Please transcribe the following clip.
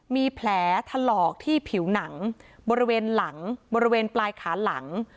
มีแผลถลอกที่ผิวหนังบริเวณหลังบริเวณปลายขาหลัง